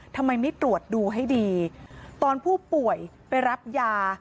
ทำไมไม่ตรวจดูให้ดีตอนผู้ป่วยไปรับยา